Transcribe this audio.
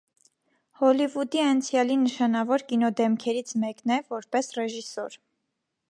Հոլիվուդի անցյալի նշանավոր կինոդեմքերից մեկն է, որպես ռեժիսոր։